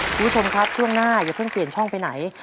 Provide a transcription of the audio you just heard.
คุณผู้ชมครับช่วงหน้าอย่าเพิ่งเปลี่ยนช่องไปไหน